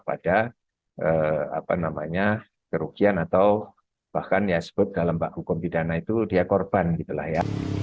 pada apa namanya kerugian atau bahkan ya sebut dalam bak hukum pidana itu dia korban gitu lah ya